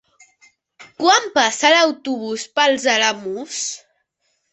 Quan passa l'autobús per els Alamús?